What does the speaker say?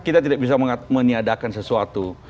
kita tidak bisa meniadakan sesuatu